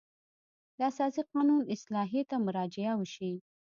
د اساسي قانون اصلاحیې ته مراجعه وشي.